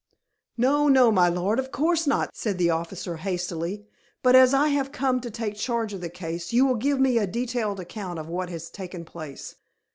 "No, no, my lord! of course not," said the officer hastily. "But as I have come to take charge of the case, you will give me a detailed account of what has taken place."